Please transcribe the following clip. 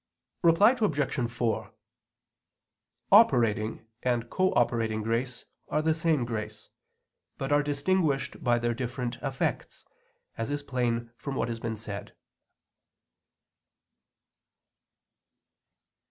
Reply Obj. 4: Operating and cooperating grace are the same grace; but are distinguished by their different effects, as is plain from what has been said.